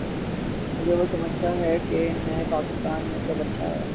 اگر وہ سمجھتا ہے کہ نئے پاکستان میں سب اچھا ہے۔